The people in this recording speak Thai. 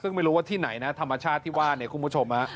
ซึ่งไม่รู้ว่าที่ไหนนะธรรมชาติที่ว่าเนี่ยคุณผู้ชมฮะ